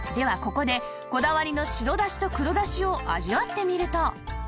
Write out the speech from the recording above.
ここでこだわりの白だしと黒だしを味わってみると